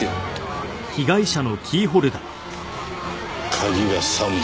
鍵が３本。